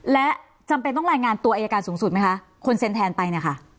และจำเป็นต้องรายงานตัวอายการสูงสุดไหมคะคนเซ็นแทนไปเนี่ยค่ะ